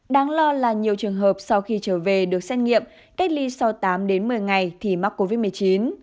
đáng lo là nhiều trường hợp sau khi trở về được xét nghiệm cách ly sau tám đến một mươi ngày thì mắc covid một mươi chín